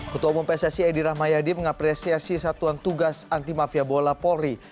ketua umum pssi edi rahmayadi mengapresiasi satuan tugas anti mafia bola polri